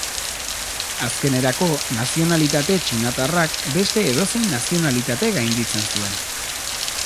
Azkenerako, nazionalitate txinatarrak beste edozein nazionalitate gainditzen zuen.